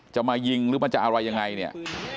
จะมายิงหรือมันจะอะไรยังไงเนี่ย